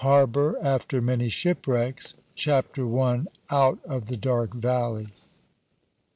HARBOUR, AFTER MANY SHIPWRECKS. CHAPTER I. OUT OF THE DARK VALLEY.